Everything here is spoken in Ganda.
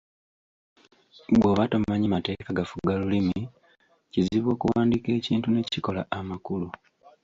Bw'oba tomanyi mateeka gafuga lulimi, kizibu okuwandiika ekintu ne kikola amakulu.